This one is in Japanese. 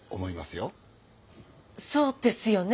そうですよね。